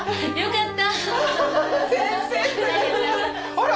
あら！